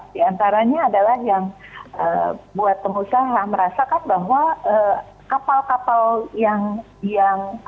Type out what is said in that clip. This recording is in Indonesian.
di antaranya adalah yang buat pengusaha merasakan bahwa kapal kapal yang agak sulit dengan adanya sentimen itu